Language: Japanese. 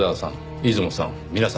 出雲さん